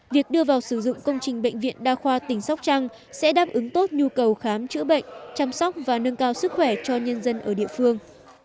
việc đưa vào sử dụng công trình bệnh viện đa khoa tỉnh sóc trăng sẽ đáp ứng tốt nhu cầu khám chữa bệnh chăm sóc và nâng cao sức khỏe cho nhân dân ở địa phương